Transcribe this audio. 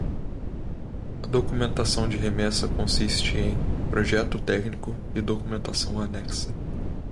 A documentação de remessa consiste em: projeto técnico e documentação anexa.